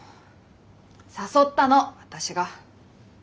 誘ったの私が。